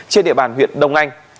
trên địa bàn huyện đông anh